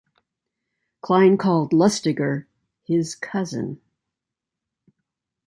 Klein called Lustiger "his cousin".